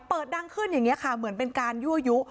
ดังขึ้นอย่างนี้ค่ะเหมือนเป็นการยั่วยุ